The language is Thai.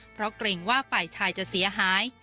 เพราะเกรงว่าฝ่ายชายจะเสียหาย